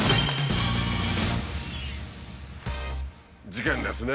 事件ですね。